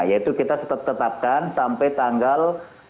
yaitu kita tetapkan sampai tanggal